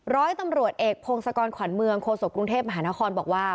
ร้อยตำรวจเอกพงศกรขวัญเมืองโคศกกรุงเทพมหานครบอกว่า